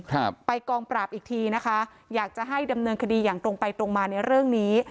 ครับไปกองปราบอีกทีนะคะอยากจะให้ดำเนินคดีอย่างตรงไปตรงมาในเรื่องนี้